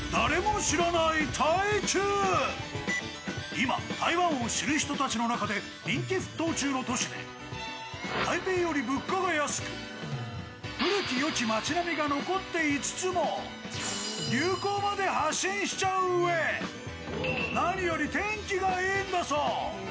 今、台湾を知る人たちの中で人気沸騰中の都市で台北より物価が安く古き良き街並みが残っていつつも流行まで発信しちゃううえ、何より天気がいいんだそう。